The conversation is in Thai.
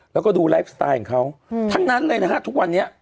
แล้วก็ดูไลฟ์สไตล์ของเขาทั้งนั้นเลยนะฮะทุกวันนี้